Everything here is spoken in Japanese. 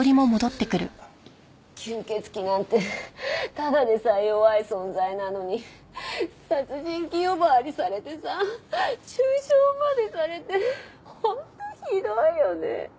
吸血鬼なんてただでさえ弱い存在なのに殺人鬼呼ばわりされてさ中傷までされて本当ひどいよね。